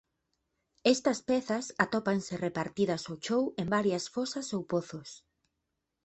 Estas pezas atópanse repartidas ó chou en varias fosas ou pozos.